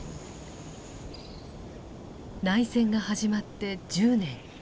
内戦が始まって１０年。